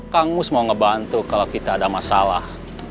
kang mus mau ngebantu kalau kita ada masalah